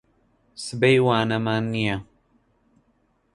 سبەی وانەمان نییە.